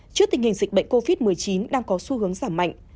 trước tình hình dịch bệnh covid một mươi chín đang có xu hướng giảm mạnh